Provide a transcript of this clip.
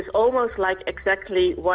dan dia mengatakan